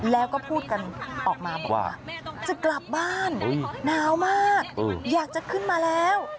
แล้วก็พูดกันออกมาบอกว่าจะกลับบ้านหนาวมากอยากจะขึ้นมาแล้ว